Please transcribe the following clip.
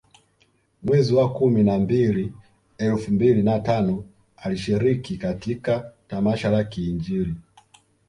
Mwezi wa kumi na mbili elfu mbili na tano alishiriki katika tamasha la kiinjili